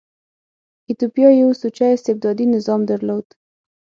ایتوپیا یو سوچه استبدادي نظام درلود.